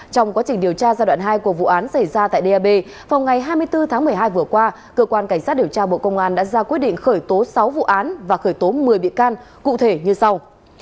trong quá trình điều tra giai đoạn hai của vụ án xảy ra tại dap vào ngày hai mươi bốn tháng một mươi hai vừa qua cơ quan cảnh sát điều tra bộ công an đã ra quyết định khởi tố sáu vụ án và khởi tố một mươi bị can cụ thể như sau